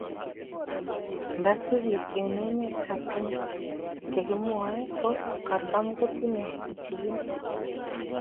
nda sup piik eng' emet ab kenya che kimwae ko katamkotinye pichiindo